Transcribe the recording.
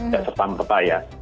dan serta merta ya